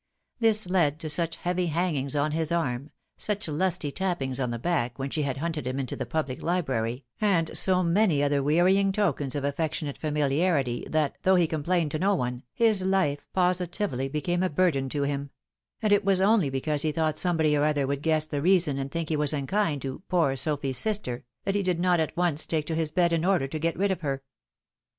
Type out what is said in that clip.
This led to such heavy hangings on his arm, such lusty tapping's on the back when she had hunted him into the public library, and so many other wearying tokens of afiectionate familiarity, that, though he complained to no one, his life positively became a burden to him ; and it was only because he thought somebody or other would guess the reason and think he was unkind to " poor Sophy's sister," that he did not at once take to his bed in order to get rid of her.